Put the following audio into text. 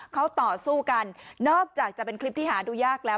เขาต่อสู้กันนอกจากจะเป็นคลิปที่หาดูยากแล้ว